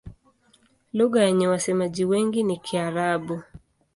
Lugha yenye wasemaji wengi ni Kiarabu.